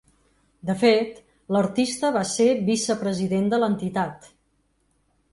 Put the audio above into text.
De fet, l’artista va ser vicepresident de l’entitat.